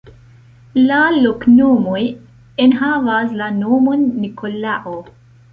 La loknomoj enhavas la nomon Nikolao.